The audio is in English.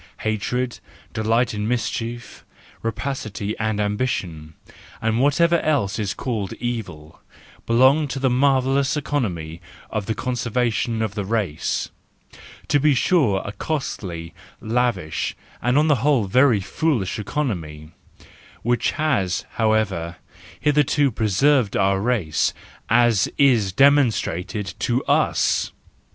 Hatred, delight in mischief, rapacity and ambition, and whatever else is called evil—belong to the marvellous economy of the conservation of the race; to be sure a costly, lavish, 32 THE JOYFUL WISDOM, I and on the whole very foolish economy:—which has, however, hitherto preserved our race, as is demonstrated to us.